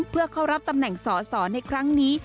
เพื่อเข้ารับตำแหน่งสอสอในครั้งนี้